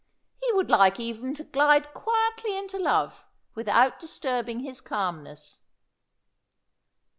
He would like even to glide quietly into love without disturbing his calmness."